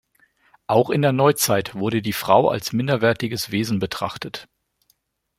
Auch in der Neuzeit wurde die Frau als minderwertiges Wesen betrachtet.